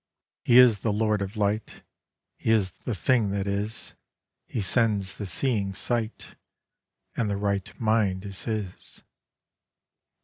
He is the Lord of Light; He is the Thing That Is; He sends the seeing sight; And the right mind is His.